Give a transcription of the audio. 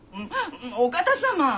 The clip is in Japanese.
お方様！